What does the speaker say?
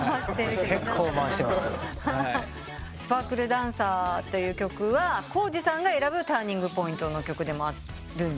『スパークルダンサー』という曲は康司さんが選ぶターニングポイントの曲でもあるんですね。